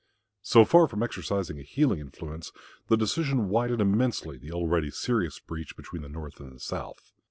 So far from exercising a healing influence, the decision widened immensely the already serious breach between the North and the South.